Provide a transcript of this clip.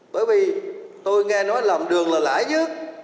bởi vì tôi nghe nói làm đường là lãi chứ